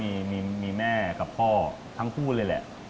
มีแม่กับพ่อทั้งคู่เลยแหละ